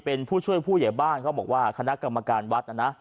เป็นผู้ช่วยผู้ใหญ่บ้านเขาบอกว่าคณะกรรมการวัดนะนะ